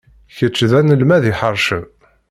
Kečč d anelmad iḥercen.